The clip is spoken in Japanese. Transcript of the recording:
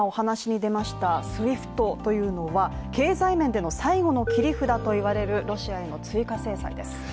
ＳＷＩＦＴというのは、経済面での最後の切り札といわれるロシアへの追加制裁です。